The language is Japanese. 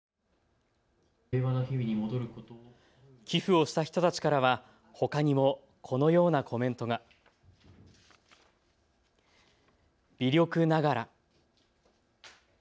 寄付をした人たちからはほかにも、このようなコメントが。微力ながら。